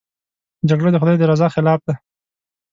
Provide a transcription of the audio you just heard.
جګړه د خدای د رضا خلاف ده